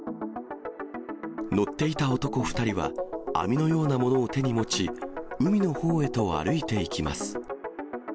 乗っていた男２人は網のようなものを手に持ち、海のほうへと歩いていきます。